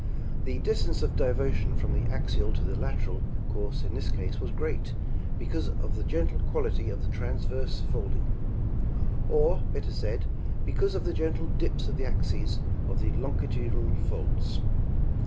The distance of diversion from the axial to the lateral course in this case was great because of the gentle quality of the transverse folding ; or, better said, because of the gentle dips of the axes of the longi tudinal folds.